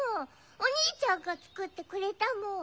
おにいちゃんがつくってくれたもん。